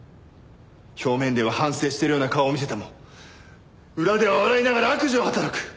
表面では反省してるような顔を見せても裏では笑いながら悪事を働く。